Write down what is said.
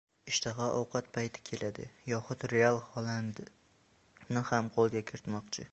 Ishtaha ovqat payti keladi yohud “Real” Xolandni ham qo‘lga kiritmoqchi